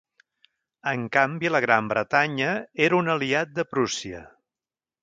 En canvi la Gran Bretanya era un aliat de Prússia.